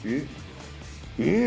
えっ？